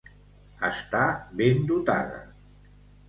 Estar ben dotada.